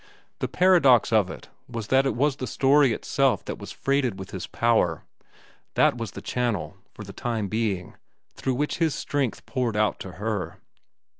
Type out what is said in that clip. The paradox of it was that it was the story itself that was freighted with his power, that was the channel, for the time being, through which his strength poured out to her.